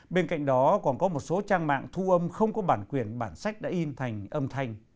bên cạnh đó còn có một số trang mạng thu âm không có bản quyền bản sách đã in thành âm thanh